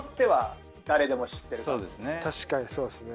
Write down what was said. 確かにそうですね。